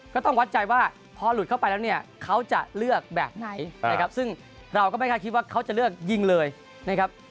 วัดใจว่าพอหลุดเข้าไปแล้วเนี่ยเขาจะเลือกแบบไหนนะครับซึ่งเราก็ไม่คาดคิดว่าเขาจะเลือกยิงเลยนะครับ